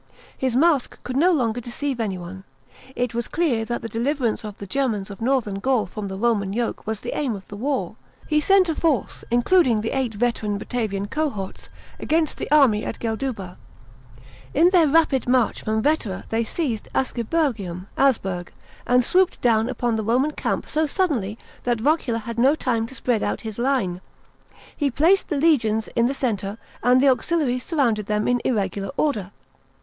His mask could no longer deceive anyone ; it was clear that the deliverance of the Germans of Northern Gaul from the Roman yoke was the aim of the war. He sent a force, including the « ight veteran Batavian cohort*, against the army at Gtlcuha. In their rapid march from Vetera they seized Asciburgium (Asberg), and swooped down upon the Roman camp so suddenly that Vocula had no time to spread out his line. He p ac ed the legions in the centre, and the auxiliaries surrounded them in irregular order.